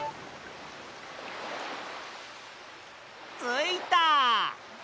ついた！